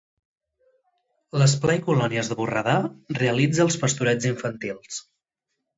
L'esplai Colònies de Borredà realitza els pastorets infantils.